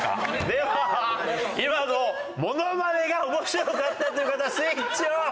では今のモノマネが面白かったという方スイッチオン！